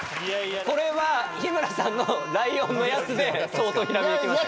これは日村さんの「ライオンのやつ」で相当ひらめきました？